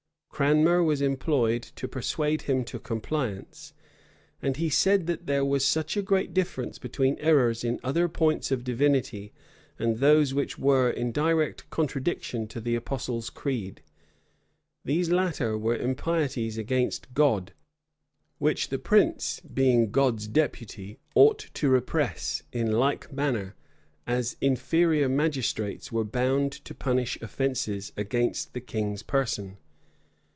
Cranmer was employed to persuade him to compliance; and he said, that there was a great difference between errors in other points of divinity, and those which were in direct contradiction to the apostles' creed: these latter were impieties against God, which the prince, being God's deputy, ought to repress, in like manner, as inferior magistrates were bound to punish offences against the king's person.